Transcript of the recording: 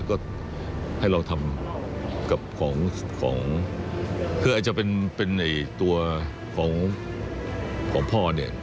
ก็ลองให้ทำของอาจจะเป็นตัวของพ่อเนี่ย